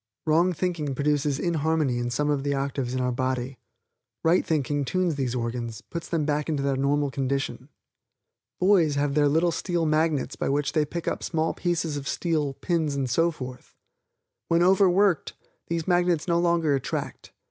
Wrong thinking brings inharmony in some of the octaves of our body. Right thinking tunes these organs, puts them back into their normal condition. Boys have their little steel magnets by which they pick up small pieces of steel, pins and so forth. When overworked, these magnets no longer attract.